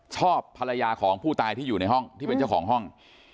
ชอบภรรยาของผู้ตายที่อยู่ในห้องที่เป็นเจ้าของห้อง